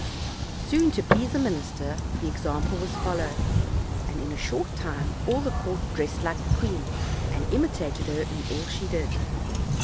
Soon, to please the minis ter, the example was followed, and, in a short time, all the court dressed like the queen, and imitated her in all she did.